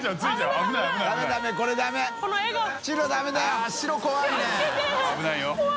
危ないよ。